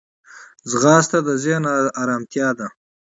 ځغاسته د ذهن ارمتیا ده